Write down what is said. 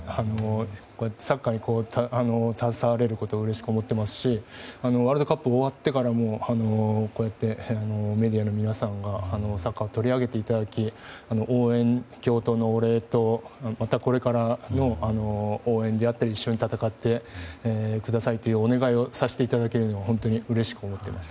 こうやってサッカーに携われることをうれしく思っていますしワールドカップが終わってからもこうやってメディアの皆さんがサッカーを取り上げていただき応援、共闘のお礼とまた、これからの応援だったり一緒に戦ってくださいというお願いをさせていただけるのは本当にうれしく思っています。